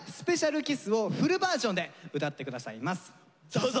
どうぞ。